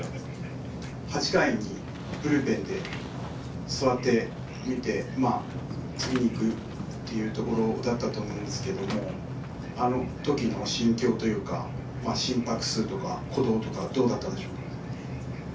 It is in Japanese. ８回にブルペンで次に行くっていうところだったと思うんですけども、あのときの心境というか、心拍数とか鼓動とかどうだったでしょうか。